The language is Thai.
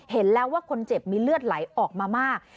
เห็นแล้วว่าคนเจ็บมีเลือดไหลออกมามาก